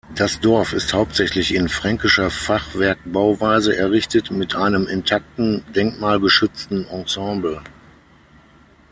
Das Dorf ist hauptsächlich in fränkischer Fachwerkbauweise errichtet mit einem intakten denkmalgeschützten Ensemble.